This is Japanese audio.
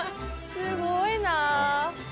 すごいな。